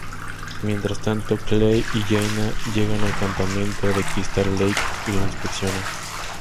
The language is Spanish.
Mientras tanto, Clay y Jenna llegan al campamento de Crystal Lake y lo inspeccionan.